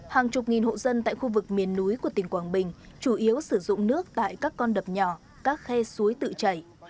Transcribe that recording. hàng chục nghìn hộ dân tại khu vực miền núi của tỉnh quảng bình chủ yếu sử dụng nước tại các con đập nhỏ các khe suối tự chảy